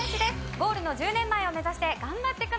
ゴールの１０年前を目指して頑張ってください。